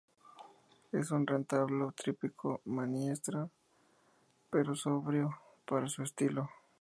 Es un retablo tríptico manierista pero sobrio para su estilo.